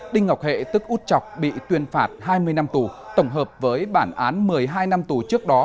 đinh ngọc hệ tức út chọc bị tuyên phạt hai mươi năm tù tổng hợp với bản án một mươi hai năm tù trước đó